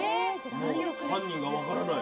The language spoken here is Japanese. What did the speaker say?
もう犯人が分からない。